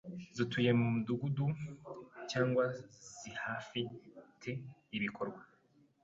zituye Umudugudu cyangwa zihafi te ibikorwa.